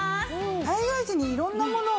災害時に色んなものをね